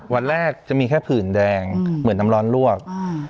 วันแรกจะมีแค่ผื่นแดงเหมือนน้ำร้อนลวก